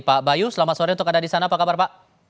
pak bayu selamat sore untuk ada di sana apa kabar pak